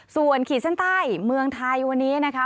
ส่วนขีดเส้นใต้เมืองไทยวันนี้นะคะ